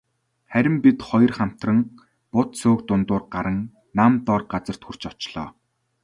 Харин бид хоёр хамтран бут сөөг дундуур гаран нам доор газарт хүрч очлоо.